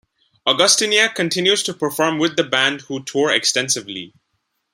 Augustyniak continues to perform with the band who tour extensively.